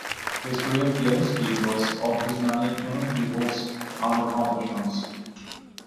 His grave gives details of his many famous pupils and accomplishments.